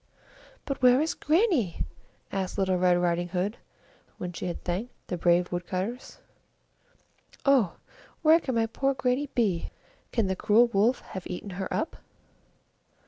"But where is Grannie?" asked Little Red Riding Hood, when she had thanked the brave wood cutters. "Oh! where can poor Grannie be? Can the cruel Wolf have eaten her up?"